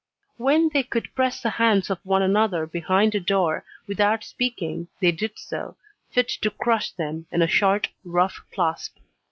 When they could press the hands of one another behind a door, without speaking, they did so, fit to crush them, in a short rough clasp.